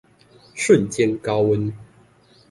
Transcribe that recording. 瞬間高溫